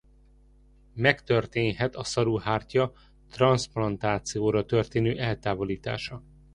Megtörténhet a szaruhártya transzplantációra történő eltávolítása.